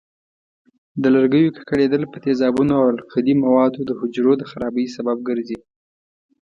د لرګیو ککړېدل په تیزابونو او القلي موادو د حجرو د خرابۍ سبب ګرځي.